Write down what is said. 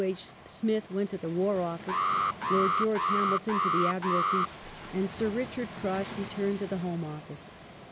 H. Smith went to the War Office, Lord George Hamilton to the Admiralty, and Sir Richard Cross returned to the Home Office.